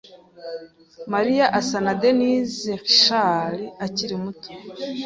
Mariya asa na Denise Richards akiri muto.